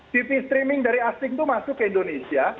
tv streaming dari asing itu masuk ke indonesia